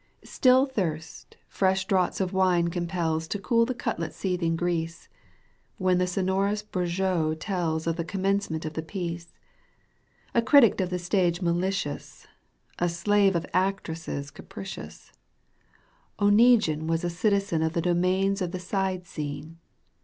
StiU thirst fresh draughts of wine compels To cool the cutlets' seething grease, "When the sonorous Breguet tells * Of the commencement of the piece. A critic of the stage malicious, A slave of actresses capricious, Oneguine was a citizen Of the domains of the side scene.